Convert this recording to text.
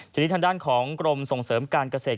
ทีนี้ทางด้านของกรมส่งเสริมการเกษตร